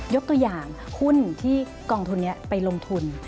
ยกตัวอย่างหุ้นที่กองทุนนี้ไปลงทุน